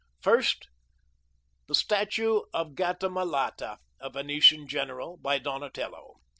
First, the statue of Gattamelata, a Venetian general, by Donatello.